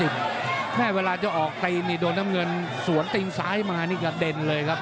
เวลาจะออกตีนนี่โดนน้ำเงินสวนตีนซ้ายมานี่กระเด็นเลยครับ